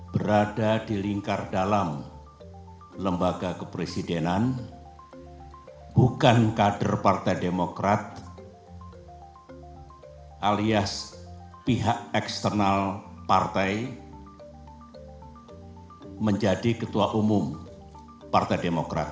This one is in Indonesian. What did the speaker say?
berada di lingkar dalam lembaga kepresidenan bukan kader partai demokrat alias pihak eksternal partai menjadi ketua umum partai demokrat